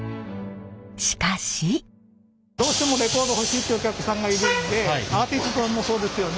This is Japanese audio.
しかし！どうしてもレコード欲しいっていうお客さんがいるんでアーティストさんもそうですよね。